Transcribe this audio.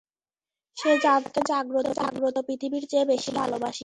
সে জানতো আমি তাকে জাগ্রত পৃথিবীর চেয়ে বেশি ভালোবাসি।